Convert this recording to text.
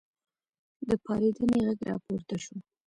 د پارېدنې غږ راپورته شو.